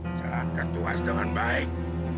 menjalankan tugas dengan baik